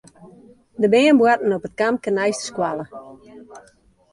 De bern boarten op it kampke neist de skoalle.